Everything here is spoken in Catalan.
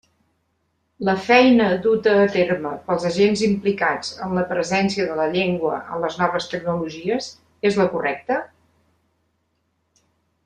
La feina duta a terme pels agents implicats en la presència de la llengua en les noves tecnologies és la correcta?